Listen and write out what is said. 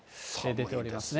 出ておりますね。